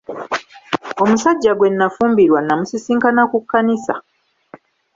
Omusajja gwe nnafumbirwa namusisinkana ku kkanisa.